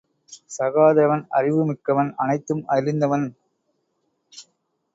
சகாதேவன் அறிவு மிக்கவன் அனைத்தும் அறிந்தவன்.